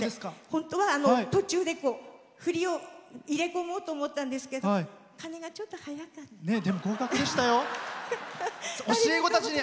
本当は途中で振りを入れ込もうと思ったんですけどでも合格でしたよ。